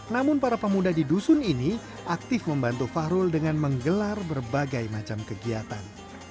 namun para pemuda di dusun ini aktif membantu fahrul dengan menggelar berbagai macam kegiatan